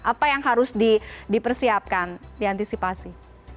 apa yang harus dipersiapkan diantisipasi